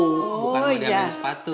bukan mau dia ambil sepatu